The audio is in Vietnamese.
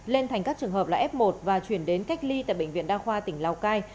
lên thành các trường hợp là f một và chuyển đến cách ly tại bệnh viện đa khoa tỉnh lào cai